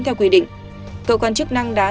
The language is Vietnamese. theo quy định cơ quan chức năng đã